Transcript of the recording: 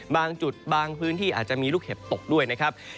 บางจุดบางพื้นที่อาจจะมีลูกเห็บตกด้วยนะครับ